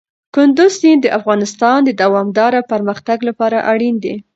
کندز سیند د افغانستان د دوامداره پرمختګ لپاره اړین دي.